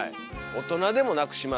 大人でもなくしますから。